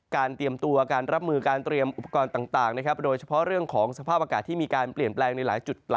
เตรียมตัวการรับมือการเตรียมอุปกรณ์ต่างโดยเฉพาะเรื่องของสภาพอากาศที่มีการเปลี่ยนแปลงในหลายจุด